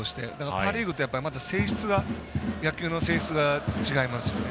パ・リーグと野球の性質が違いますよね。